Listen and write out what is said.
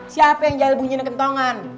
siapa yang jual bunyinya kentongan